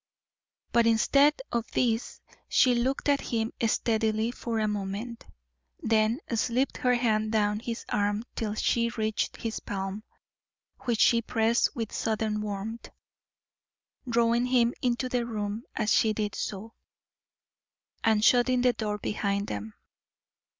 But instead of this she looked at him steadily for a moment, then slipped her hand down his arm till she reached his palm, which she pressed with sudden warmth, drawing him into the room as she did so, and shutting the door behind them.